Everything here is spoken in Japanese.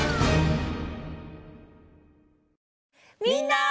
みんな！